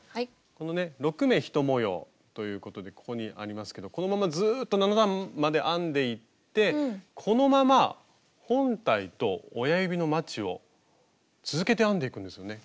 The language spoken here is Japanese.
このね６目１模様ということでここにありますけどこのままずっと７段まで編んでいってこのまま本体と親指のまちを続けて編んでいくんですよね。